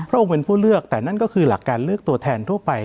องค์เป็นผู้เลือกแต่นั่นก็คือหลักการเลือกตัวแทนทั่วไป